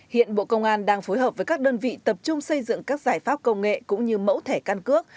hiện bộ công an đang phối hợp với các đơn vị tập trung xây dựng các giải pháp công nghệ cũng như mẫu thẻ căn cước